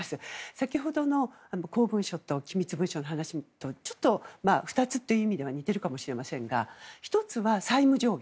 先ほどの公文書と機密文書の話とちょっと２つという意味では似ているかもしれませんが１つは、債務上限。